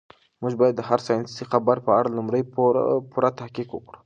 موږ باید د هر ساینسي خبر په اړه لومړی پوره تحقیق وکړو.